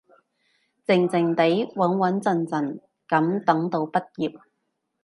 靜靜哋，穩穩陣陣噉等到畢業